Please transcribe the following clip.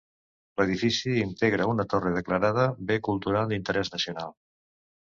L'edifici integra una torre declarada bé cultural d'interès nacional.